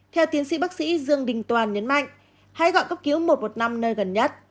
theo tiến sĩ bác sĩ dương đình toàn nhấn mạnh hãy gọi cấp cứu một trăm một mươi năm nơi gần nhất